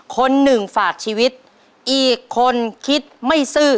คนหนึ่งฝากชีวิตอีกคนคิดไม่ซื่อ